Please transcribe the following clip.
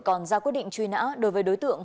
còn ra quyết định truy nã đối với đối tượng